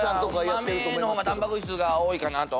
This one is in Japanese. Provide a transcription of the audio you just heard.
「豆の方がたんぱく質が多いかなと」